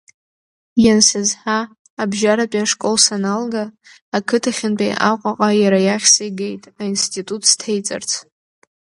Иансызҳа, абжьаратәи ашкол саналга, ақыҭахьынтәи Аҟәаҟа иара иахь сигеит аинститут сҭеиҵарц.